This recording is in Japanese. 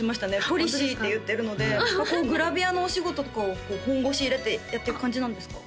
ポリシーって言ってるのでグラビアのお仕事とかを本腰入れてやっていく感じなんですか？